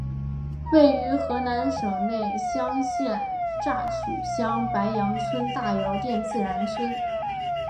位于河南省内乡县乍曲乡白杨村大窑店自然村。